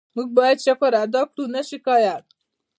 موږ باید شکر ادا کړو، نه شکایت.